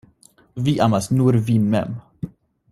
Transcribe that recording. Vi amas nur vin mem.